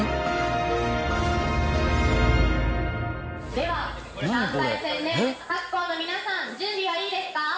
では３回戦目各校の皆さん準備はいいですか？